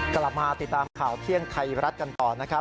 กลับมาติดตามข่าวเที่ยงไทยรัฐกันต่อนะครับ